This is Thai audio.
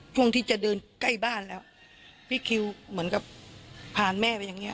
ช่วงที่จะเดินใกล้บ้านแล้วพี่คิวเหมือนกับผ่านแม่ไปอย่างเงี้